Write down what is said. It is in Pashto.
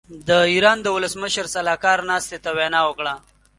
د ايران د ولسمشر سلاکار ناستې ته وینا وکړه.